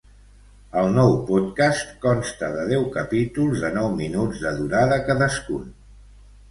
El nou podcast consta de deu capítols de nou minuts de durada cadascun.